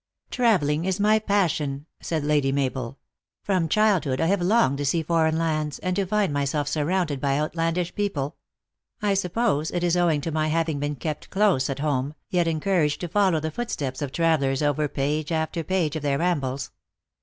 "Traveling is my passion, "said Lady Mabel. "From childhood I have longed to see foreign lands, and to find myself surrounded by outlandish people. I sup pose it is owing to my having been kept close at home, yet encouraged to follow the footsteps of travelers over page after page of their rambles.